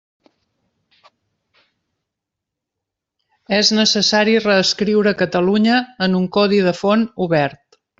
És necessari reescriure Catalunya en un codi de font obert.